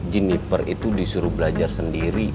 jenniper itu disuruh belajar sendiri